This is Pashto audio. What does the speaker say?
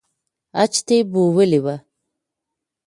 حج ته بوولي وو